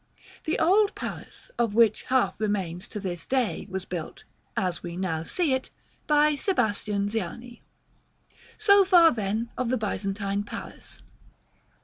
The old "palace, of which half remains to this day, was built, as we now see it, by Sebastian Ziani." So far, then, of the Byzantine Palace.